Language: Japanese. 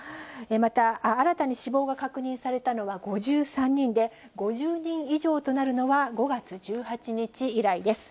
また、新たに死亡が確認されたのは５３人で、５０人以上となるのは５月１８日以来です。